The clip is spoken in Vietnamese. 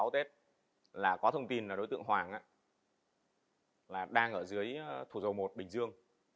hai mươi sáu tết là có thông tin là đối tượng hoàng đang ở dưới thủ dầu một bình dương